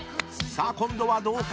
［さあ今度はどうか？］